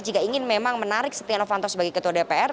jika ingin memang menarik setia novanto sebagai ketua dpr